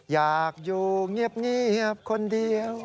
อยากอยู่เงียบคนเดียว